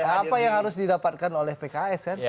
apa yang harus didapatkan oleh pks kan